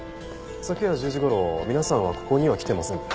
昨夜１０時頃皆さんはここには来てませんか？